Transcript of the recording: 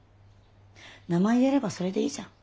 名前言えればそれでいいじゃん。